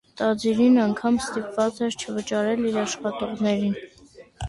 Տաձիրին անգամ ստիպված էր չվճարել իր աշխատողներին։